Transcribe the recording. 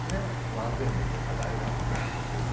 安全面に課題があるという状況。